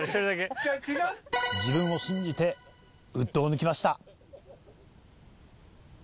自分を信じてウッドを抜きました。